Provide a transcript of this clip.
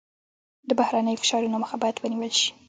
د بهرنیو فشارونو مخه باید ونیول شي.